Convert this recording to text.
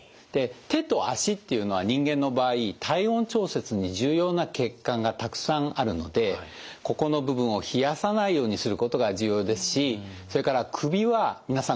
手と足っていうのは人間の場合体温調節に重要な血管がたくさんあるのでここの部分を冷やさないようにすることが重要ですしそれから首は皆さん